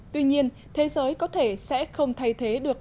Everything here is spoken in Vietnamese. tuy nhiên thế giới có thể sẽ không thay thế được